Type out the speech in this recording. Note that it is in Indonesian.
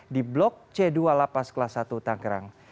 di blok c dua lapas kelas satu tangerang